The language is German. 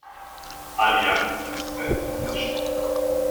Allianz ist ein gutes Stichwort.